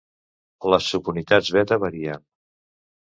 Les subunitats beta varien.